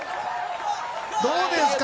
どうですか？